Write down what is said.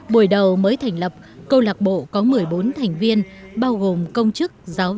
buổi đầu mới thành lập câu lạc bộ có một mươi bốn thành viên bao gồm công chức giáo viên